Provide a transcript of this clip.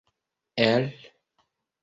el